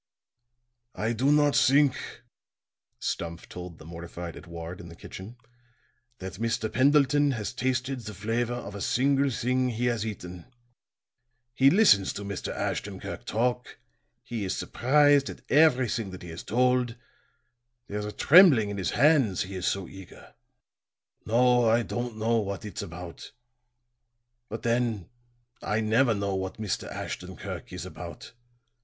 "I do not think," Stumph told the mortified Edouard in the kitchen, "that Mr. Pendleton has tasted the flavor of a single thing he has eaten. He listens to Mr. Ashton Kirk talk; he is surprised at everything that he is told; there is a trembling in his hands, he is so eager. No, I don't know what it's about. But then, I never know what Mr. Ashton Kirk is about.